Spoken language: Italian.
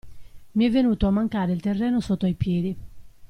Mi è venuto a mancare il terreno sotto ai piedi.